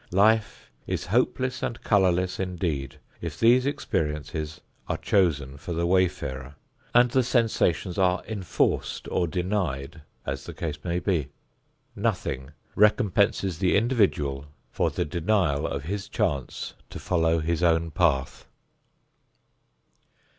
Life is hopeless and colorless indeed if these experiences are chosen for the wayfarer and the sensations are enforced or denied, as the case may be. Nothing recompenses the individual for the denial of his chance to follow his own path.